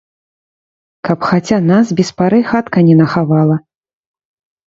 Каб хаця нас без пары хатка не нахавала?